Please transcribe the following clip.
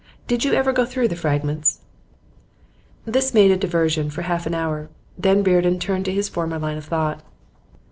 Did you ever go through the Fragments?' This made a diversion for half an hour. Then Reardon returned to his former line of thought.